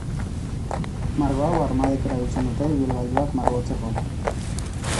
Margo hau armadek erabiltzen dute ibilgailuak margotzeko.